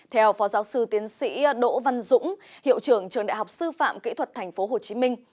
theo phó giáo sư tiến sĩ đỗ văn dũng hiệu trưởng trường đại học sư phạm kỹ thuật tp hcm